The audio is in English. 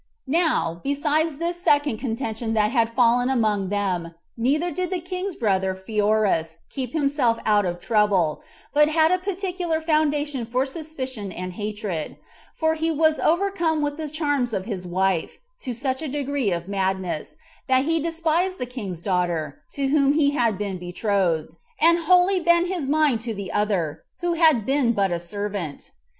3. Now, besides this second contention that had fallen among them, neither did the king's brother Pheroras keep himself out of trouble, but had a particular foundation for suspicion and hatred; for he was overcome with the charms of his wife, to such a degree of madness, that he despised the king's daughter, to whom he had been betrothed, and wholly bent his mind to the other, who had been but a servant.